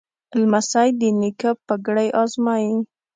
لمسی د نیکه پګړۍ ازمایي.